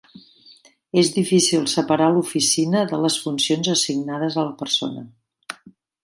És difícil separar l'oficina de les funcions assignades a la persona.